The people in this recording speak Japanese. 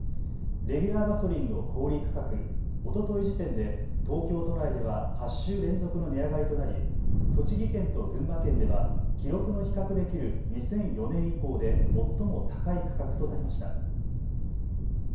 レギュラーガソリンの小売価格、おととい時点で東京都内では８週連続の値上がりとなり栃木県と群馬県では記録の比較できる２００４年以降で最も高い価格となりました。